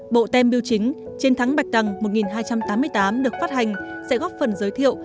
bộ tem biêu chính chiến thắng bạch đằng một nghìn hai trăm tám mươi tám được phát hành sẽ góp phần giới thiệu